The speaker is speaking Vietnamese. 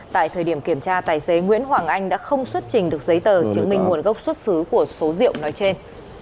tại thời điểm kiểm tra tài xế nguyễn hoàng anh đã không xuất trình được giấy tờ chứng minh nguồn gốc xuất xứ của số rượu nói trên